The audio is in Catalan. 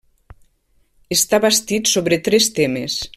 Està bastit sobre tres temes.